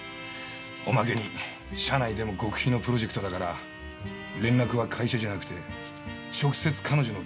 おまけに社内でも極秘のプロジェクトだから連絡は会社じゃなくて直接彼女の携帯にするようにって。